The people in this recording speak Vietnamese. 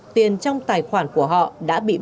tiền trong tài khoản của họ đã bị bỏng